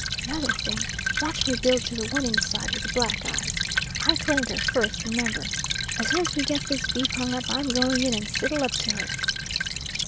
Another thing, watch me build to the one inside with the black eyes. I claimed her first, remember. As soon as we get this beef hung up I'm going in and sidle up to her."